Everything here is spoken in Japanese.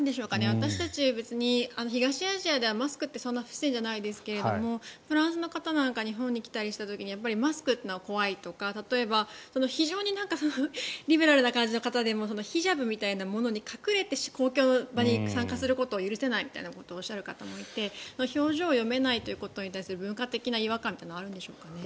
私たち、別に東アジアではマスクってそんなに不自然ではないですがフランスの方なんか日本に来た時にやっぱりマスクというのが怖いとか、例えば非常にリベラルな感じの方でもヒジャブみたいなものに隠れて公共の場に参加することは許せないということをおっしゃる方もいて表情を読めないことに対する文化的な違和感というのはあるんでしょうかね。